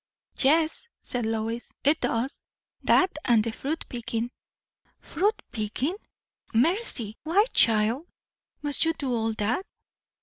"Yes," said Lois, "it does; that and the fruit picking." "Fruit picking! Mercy! Why, child, must you do all that?"